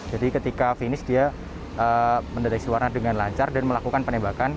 jadi kita mendeteksi warna dengan lancar dan melakukan penembakan